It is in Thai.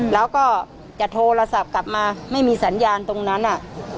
แล้วก็จะโทรศัพท์กลับมาไม่มีสัญญาณตรงนั้น